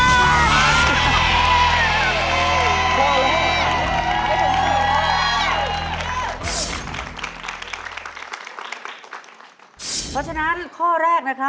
เพราะฉะนั้นข้อแรกนะครับ